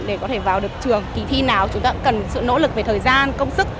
để có thể vào được trường kỳ thi nào chúng ta cũng cần sự nỗ lực về thời gian công sức